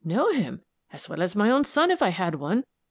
"Know him! as well as my own son if I had one!